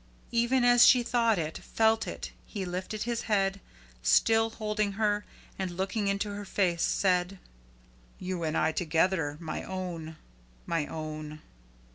Even as she thought it, felt it, he lifted his head, still holding her, and looking into her face, said: "You and I together, my own my own."